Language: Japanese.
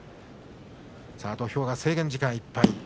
土俵は制限時間いっぱい。